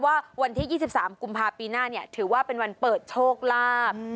วันที่๒๓กุมภาพปีหน้าเนี่ยถือว่าเป็นวันเปิดโชคลาภ